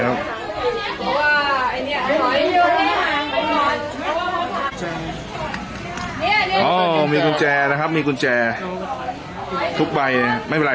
อ๋อมีกุญแจนะครับมีกุญแจทุกใบไม่เป็นไร